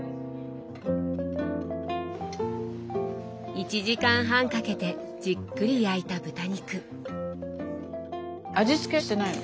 １時間半かけてじっくり焼いた豚肉。味付けしてないの。